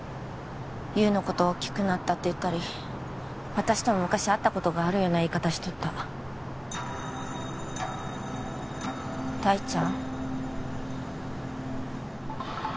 優のことを「大きくなった」って言ったり私とも昔会ったことがあるような言い方しとった大ちゃん？